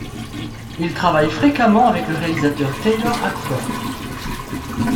Il travaille fréquemment avec le réalisateur Taylor Hackford.